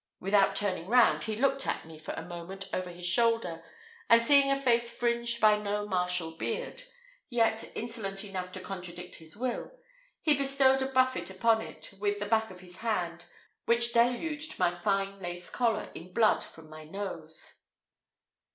Without turning round, he looked at me for a moment over his shoulder, and seeing a face fringed by no martial beard, yet insolent enough to contradict his will, he bestowed a buffet upon it with the back of his hand, which deluged my fine lace collar in blood from my nose.